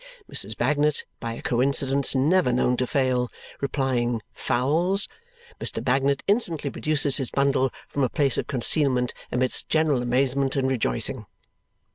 Mrs. Bagnet, by a coincidence never known to fail, replying fowls, Mr. Bagnet instantly produces his bundle from a place of concealment amidst general amazement and rejoicing.